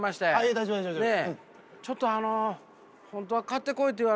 大丈夫大丈夫。